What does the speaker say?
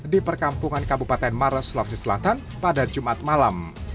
di perkampungan kabupaten maros sulawesi selatan pada jumat malam